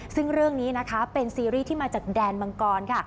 ซึ่งเรื่องนี้นะคะเป็นซีรีส์ที่มาจากแดนมังกรค่ะ